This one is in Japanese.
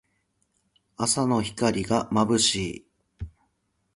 朝の光がまぶしい。